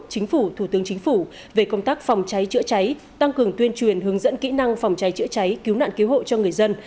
chính phủ thủ tướng chính phủ về công tác phòng cháy chữa cháy tăng cường tuyên truyền hướng dẫn kỹ năng phòng cháy chữa cháy cứu nạn cứu hộ cho người dân